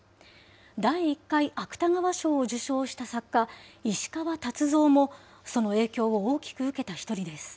第１回芥川賞を受賞した作家、石川達三も、その影響を大きく受けた１人です。